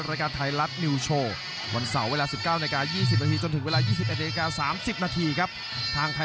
รับทราบรับทราบรับทราบ